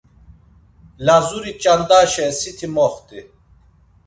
Lazuri ç̌andaşe siti moxti.